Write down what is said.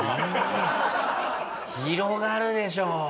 広がるでしょ。